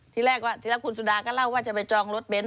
ทีแรกคุณสุดาก็เล่าว่าจะไปจองรถเบนต์